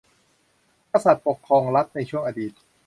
กษัตริย์ปกครองรัฐในช่วงอดีต